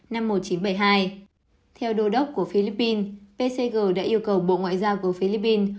năm một nghìn chín trăm bảy mươi hai theo đô đốc của philippines pcg đã yêu cầu bộ ngoại giao của philippines